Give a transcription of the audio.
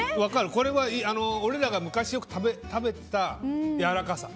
これは俺らが昔よく食べてたやわらかさ。